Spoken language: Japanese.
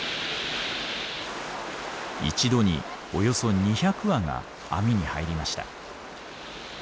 一度におよそ２００羽が網に入りました。